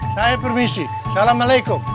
saya permisi assalamualaikum